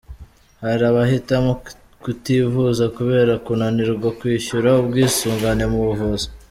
Hari abahitamo kutivuza kubera kunanirwa kwishyura ubwisungane mu buvuzi